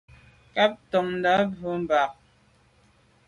Nkeb ntôndà bwe mbà.